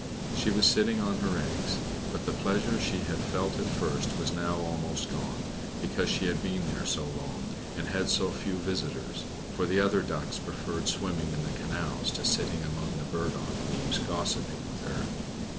She was sitting on her eggs; but the pleasure she had felt at first was now almost gone, because she had been there so long, and had so few visitors, for the other Ducks preferred swimming on the canals to sitting among the burdock leaves gossiping with her.